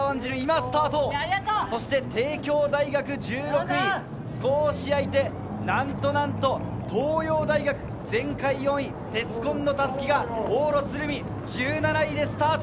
そして帝京大学は１６位、少し開いて東洋大学、前回４位、鉄紺の襷が往路、鶴見を１７位でスタート。